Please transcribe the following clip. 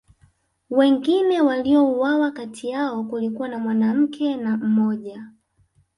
wengine waliouawa kati yao kulikuwa na mwanamke na mmoja